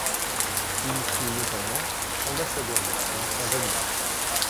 Il fut notamment ambassadeur de France à Venise.